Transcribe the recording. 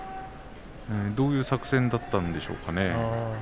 どういう作戦だったんでしょうかね。